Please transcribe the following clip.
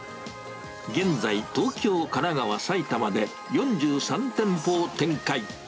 現在、東京、神奈川、埼玉で４３店舗を展開。